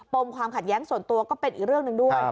มความขัดแย้งส่วนตัวก็เป็นอีกเรื่องหนึ่งด้วย